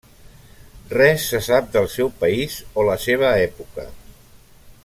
Res se sap del seu país o la seva època.